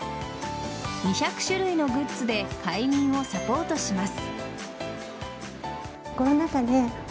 ２００種類のグッズで快眠をサポートします。